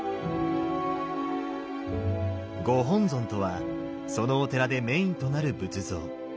ご本尊とはそのお寺でメインとなる仏像。